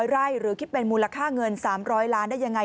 ไร่หรือคิดเป็นมูลค่าเงิน๓๐๐ล้านได้ยังไง